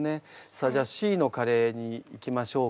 さあじゃあＣのカレーにいきましょうか。